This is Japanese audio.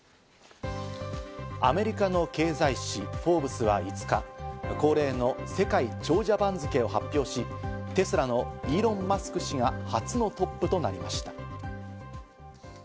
アメリカの経済誌『フォーブス』は５日、恒例の世界長者番付を発表し、テスラのイーロン・マスク氏が初のトップとなりました。